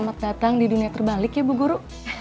selamat datang di dunia terbalik ya bu guru